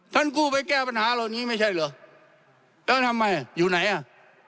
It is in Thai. กู้ไปแก้ปัญหาเหล่านี้ไม่ใช่เหรอแล้วทำไมอยู่ไหนอ่ะ